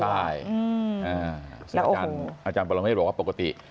ใช่อาจารย์บรรณเมศบอกว่าปกติ